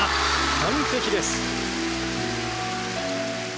完璧です。